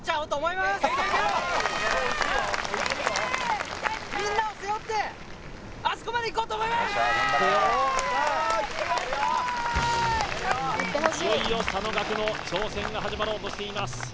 いよいよ佐野岳の挑戦が始まろうとしています